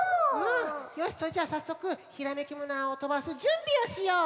よしそれじゃあさっそくひらめきムナーをとばすじゅんびをしよう。